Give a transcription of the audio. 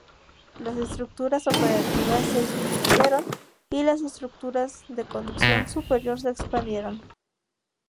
Las estructuras operativas se disminuyeron y las estructuras de conducción superior de expandieron.